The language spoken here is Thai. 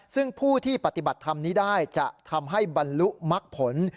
ซึ่งผู้ที่ปฏิบัติธรรมนี้ได้จะทำให้บรรลุมักผล